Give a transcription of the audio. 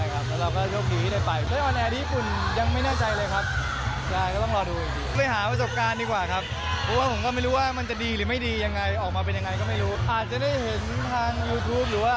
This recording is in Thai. หรือว่าอาจจะเอามาเมืองไทยก็ยังไม่แน่ครับ